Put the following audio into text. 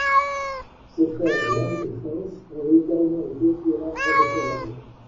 Ses frères Jan et Fons ont également été coureurs professionnels.